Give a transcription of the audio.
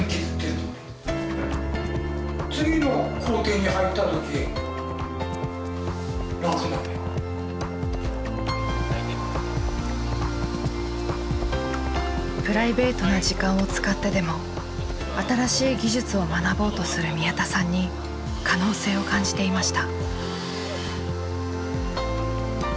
だからプライベートな時間を使ってでも新しい技術を学ぼうとする宮田さんに可能性を感じていました。